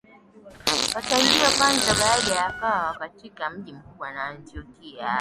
watahiriwe kwanza Baadaye akawa katika mji mkubwa wa Antiokia